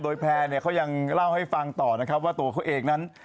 โดยแพร่เนี่ยเขายังเล่าให้ฟังต่อนะครับว่าตัวเขาเองนั้น